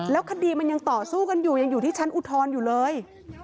คดีมันยังต่อสู้กันอยู่ยังอยู่ที่ชั้นอุทธรณ์อยู่เลย